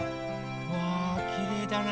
わあきれいだな。